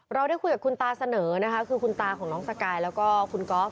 เราได้คุยกับคุณตาเสนอนะคะคือคุณตาของน้องสกายแล้วก็คุณก๊อฟ